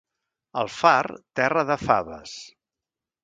El Far, terra de faves.